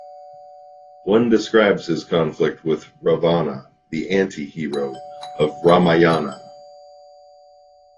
One describes his conflict with Ravana, the anti-hero of Ramayana.